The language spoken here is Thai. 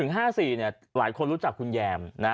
หลายคนรู้จักคุณแยม